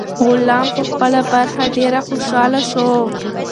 غلام په خپله برخه ډیر خوشاله و.